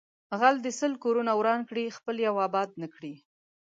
غل د سل کورونه وران کړي خپل یو آباد نکړي